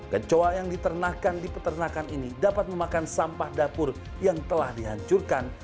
kecoa yang diternakan di peternakan ini dapat memakan sampah dapur yang telah dihancurkan